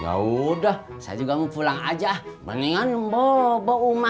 ya udah saya juga mau pulang aja mendingan bobo umar